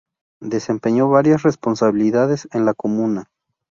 Desempeñó varias responsabilidades en la comuna.